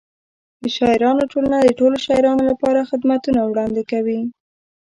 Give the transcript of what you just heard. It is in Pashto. د شاعرانو ټولنه د ټولو شاعرانو لپاره خدمتونه وړاندې کوي.